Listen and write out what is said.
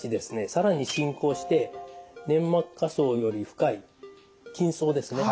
更に進行して粘膜下層より深い筋層ですね。